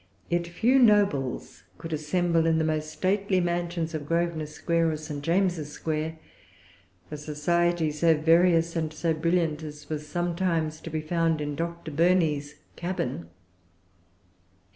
Yet few nobles could assemble in the most stately mansions of Grosvenor Square or St. James's Square a society so various and so brilliant as was sometimes to be found in Dr. Burney's cabin.